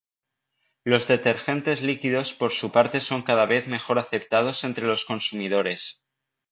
Los detergentes líquidos por su parte son cada vez mejor aceptados entre los consumidores.